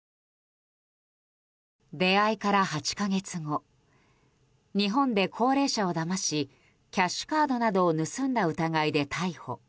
出会いから８か月後日本で高齢者をだましキャッシュカードなどを盗んだ疑いで逮捕。